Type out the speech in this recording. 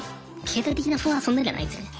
経済的な不安はそんなにはないですね。